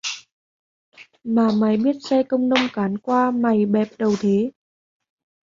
Mà mày biết xe công nông cán qua mày bẹp đầu thế